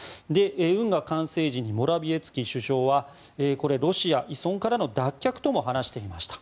運河完成時にモラビエツキ首相はロシア依存からの脱却とも話していました。